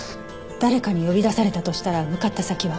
誰かに呼び出されたとしたら向かった先は？